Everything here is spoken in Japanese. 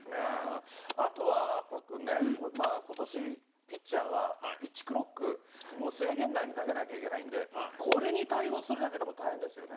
あとはパックンね、ことしピッチャーはピッチクロック、もう制限内に投げなきゃいけないんで、これに対応するだけでも大変ですよね。